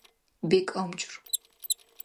БЕКӀ АМЧӀУР